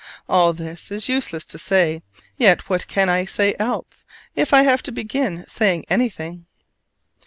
All this is useless to say, yet what can I say else, if I have to begin saying anything?